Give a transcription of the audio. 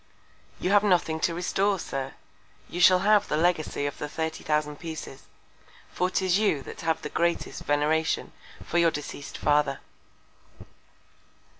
You have nothing to restore, Sir; you shall have the Legacy of the thirty thousand Pieces; for 'tis you that have the greatest Veneration for your deceased Father.